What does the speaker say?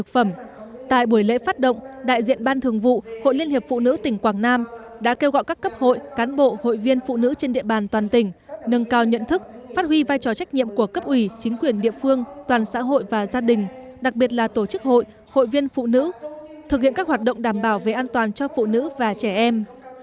với lễ phát động đại diện ban thường vụ hội liên hiệp phụ nữ tỉnh quảng nam đã kêu gọi các cấp hội cán bộ hội viên phụ nữ trên địa bàn toàn tỉnh nâng cao nhận thức phát huy vai trò trách nhiệm của cấp ủy chính quyền địa phương toàn xã hội và gia đình đặc biệt là tổ chức hội hội viên phụ nữ thực hiện các hoạt động đảm bảo về an toàn cho phụ nữ và trẻ em